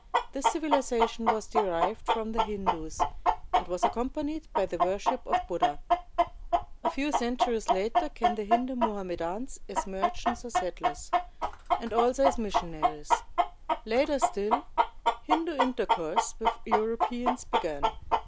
This civilization was derived from the Hindus, and was accompanied by the worship of Buddha. A few centuries later, came the Hindu Mohamme dans as merchants or settlers, and also as missionaries. Later still, Hindu intercourse with Europeans began.